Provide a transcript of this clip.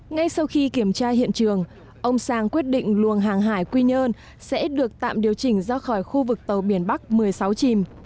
ngay sau khi kiểm tra hiện trường ông sang quyết định luồng hàng hải quy nhơn sẽ được tạm điều chỉnh ra khỏi khu vực tàu biển bắc một mươi sáu chìm